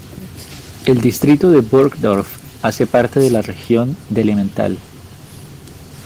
El distrito de Burgdorf hace parte de la región del Emmental.